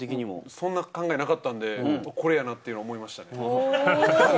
そんな考えなかったので、これやなと思いました。